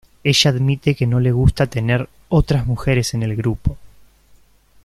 Ella admite que no le gusta tener "otras mujeres en el grupo".